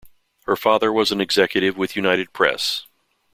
Her father was an executive with United Press.